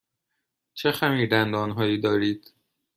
چه خمیردندان هایی دارید؟